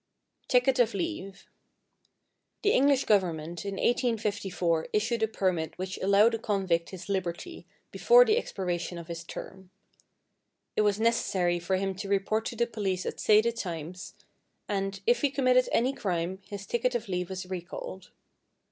=Ticket of Leave.= The English Government in 1854 issued a permit which allowed a convict his liberty before the expiration of his term. It was necessary for him to report to the police at stated times, and, if he committed any crime, his ticket of leave was recalled.